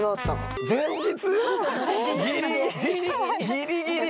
ギリギリ！